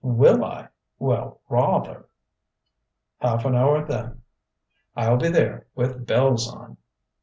"Will I! Well, rawther!" "Half an hour, then " "I'll be there, with bells on!"